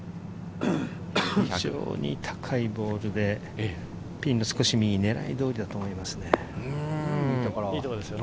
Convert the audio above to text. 非常に高いボールで、ピンの少し右に、狙い通りだと思いますね。